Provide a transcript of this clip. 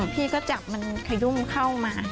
พี่ก็จับมันขยุ่มเข้ามา